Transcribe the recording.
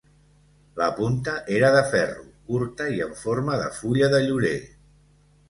La punta era de ferro, curta i en forma de fulla de llorer.